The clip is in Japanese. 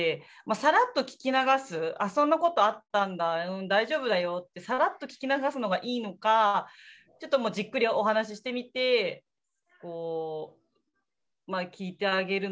さらっと聞き流すあそんなことあったんだ大丈夫だよってさらっと聞き流すのがいいのかちょっとじっくりお話ししてみて聞いてあげるのがいいのか。